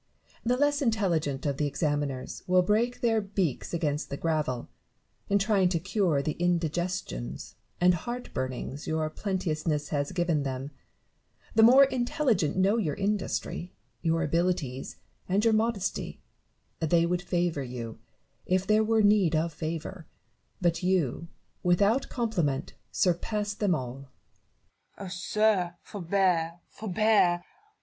The less intelligent of the examiners will break their beaks against the gravel, in trying to cure the indigestions and heart burnings your plenteousness has given them ; the more intelligent know your industry, your abilities, and your modesty : they would favour you, if there were need of favour, but you, without compliment, surpass them all. Nev^ton. Oh, sir ! forbear, forbear